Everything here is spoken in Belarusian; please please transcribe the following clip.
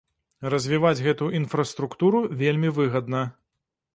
Развіваць гэту інфраструктуру вельмі выгадна.